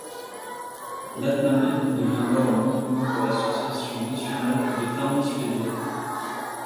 Lantmännen devient alors le nom commun pour l'Association nationale des fermiers suédois.